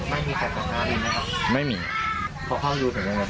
ไม่มีใครถามด้วยไม่มีใครจัดการบินนะครับ